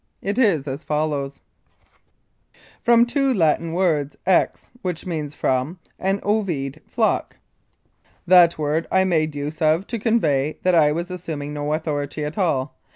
It is as follows : "From two Latin words ex, which means from, and ovede, flock. That word I made use of to convey that I was assuming no authority at all.